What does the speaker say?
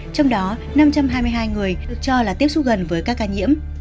trong đó năm trăm hai mươi hai người được cho là tiếp xúc gần với các ca nhiễm